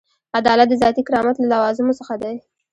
عدالت د ذاتي کرامت له لوازمو څخه دی.